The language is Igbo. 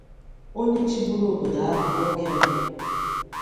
onye chịbụrụ obodo ahụ n'oge mbụ